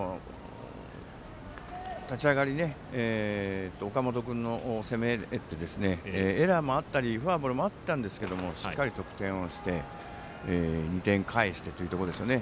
立ち上がり、岡本君の攻めでエラーもあったりフォアボールもあったんですけれどもしっかり得点をして２点返してというところですよね。